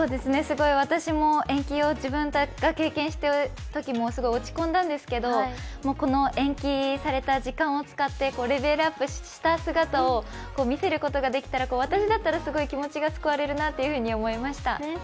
私も延期を経験したときはすごい落ち込んだんですけど延期された時間を使ってレベルアップした姿を見せることができたら私だったらすごい気持ちが救われるなというふうに思いました。